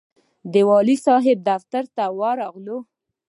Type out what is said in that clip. د والي صاحب دفتر ته ورغلو.